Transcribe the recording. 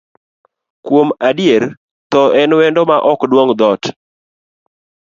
Kuom adier, thoo en wendo ma ok duong' dhoot.